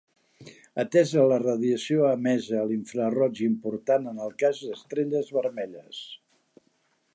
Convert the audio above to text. Atesa la radiació emesa a l'infraroig important en el cas d'estrelles vermelles.